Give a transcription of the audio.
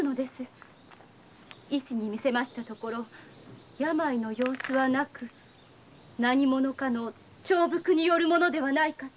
医師に診せましたところ病の様子はなく何者かの調伏によるものではないかと。